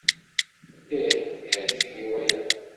Ih, yeɛjeb-iyi waya.